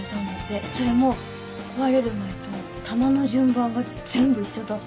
それも壊れる前と玉の順番が全部一緒だったんだって。